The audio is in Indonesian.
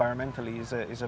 itu adalah kesan besar